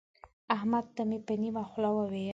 احمد ته مې په نيمه خوله وويل.